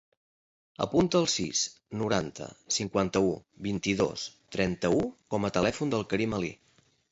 Apunta el sis, noranta, cinquanta-u, vint-i-dos, trenta-u com a telèfon del Karim Ali.